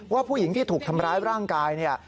ว่าผู้หญิงที่ถูกทำร้ายร่างกายเนี่ย